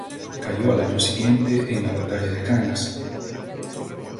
Cayó al año siguiente en la batalla de Cannas.